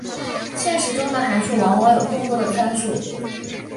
现实中的函数往往有更多的参数。